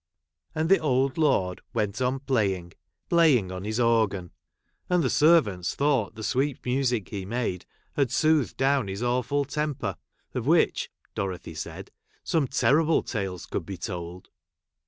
And the old lord went on playing — playing on his orgjin ; and the servants thought the sweet music he made had soothed down his awful temper, of which (Dorothy said) some terrible tales could be told.